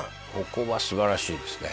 ここはすばらしいですね